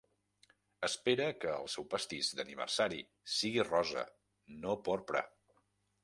Espera que el seu pastís d'aniversari sigui rosa, no porpra.